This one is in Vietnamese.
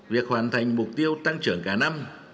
việc hoàn thành mục tiêu tăng trưởng cả năm